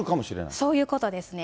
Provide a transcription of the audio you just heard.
そういうことですね。